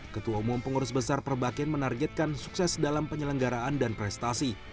ketua umum pengurus besar perbakin menargetkan sukses dalam penyelenggaraan dan prestasi